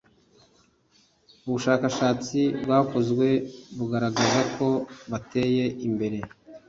Ubushskashatsi bwakozwe bugaragaza ko bateya imbere